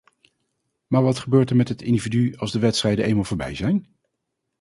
Maar wat gebeurt er met het individu als de wedstrijden eenmaal voorbij zijn?